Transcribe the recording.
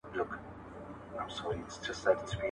دا ئې قواله په چا ئې منې.